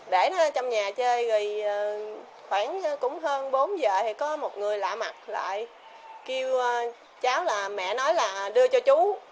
để nó ở trong nhà chơi thì khoảng cũng hơn bốn giờ thì có một người lạ mặt lại kêu cháu là mẹ nói là đưa cho chú